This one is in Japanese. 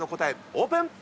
オープン！